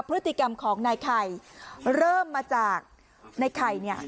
พฤติกรรมของนายไข่เริ่มมาจากในไข่เนี่ย